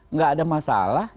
nggak ada masalah